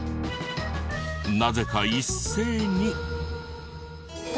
なぜか一斉に。